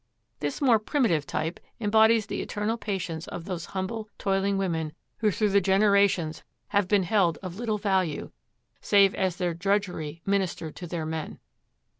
This more primitive type embodies the eternal patience of those humble toiling women who through the generations have been held of little value, save as their drudgery ministered to their men.